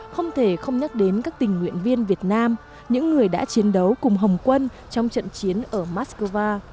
không thể không nhắc đến các tình nguyện viên việt nam những người đã chiến đấu cùng hồng quân trong trận chiến ở moscow